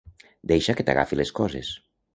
Deixa que t'agafi les coses.